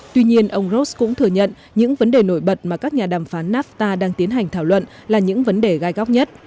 tuy nhiên ông ross cũng thừa nhận những vấn đề nổi bật mà các nhà đàm phán nafta đang tiến hành thảo luận là những vấn đề gai góc nhất